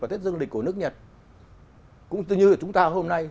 và tết dương lịch của nước nhật cũng như chúng ta hôm nay